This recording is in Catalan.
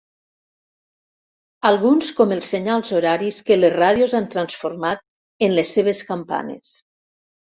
Alguns com els senyals horaris que les ràdios han transformat en les seves campanes.